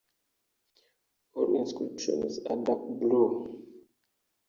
All inscriptions are dark blue.